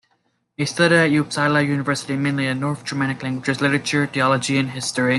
He studied at Uppsala University, mainly in North Germanic languages, literature, theology and history.